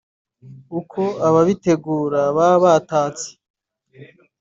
uko abaritegura baba batatse